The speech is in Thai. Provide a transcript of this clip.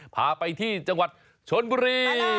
พาไปที่จังหวัดชนบุรี